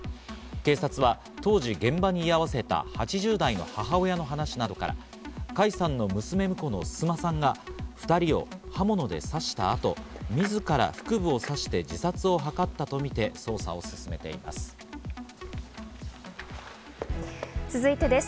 警察は当時現場に居合わせた８０代の母親の話などから、甲斐さんの娘婿の須磨さんが２人を刃物で刺したあと自ら腹部を刺して自殺を図ったとみて捜査を進めています。